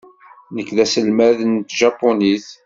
Nekk d aselmad n tjapunit.